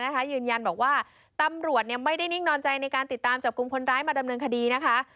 ยืนยันบอกว่าตำรวจไม่ได้นิ่งนอนใจในการติดตามจับกลุ่มคนร้ายมาดำเนินคดีนะคะ